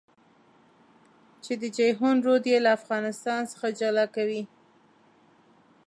چې د جېحون رود يې له افغانستان څخه جلا کوي.